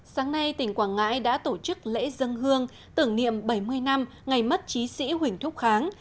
sáng nay tỉnh quảng ngãi đã tổ chức lễ dân hương tưởng niệm bảy mươi năm ngày mất chí sĩ huỳnh thúc kháng